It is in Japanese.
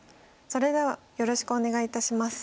それではよろしくお願いいたします。